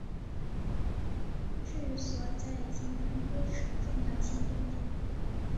治所在今安徽省凤阳县东北。